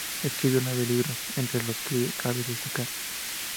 Escribió nueve libros, entre los que cabe destacar